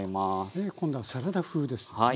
ねえ今度はサラダ風ですね。